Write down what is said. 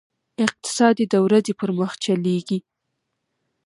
اقتصاد یې د ورځې پر مخ چلېږي.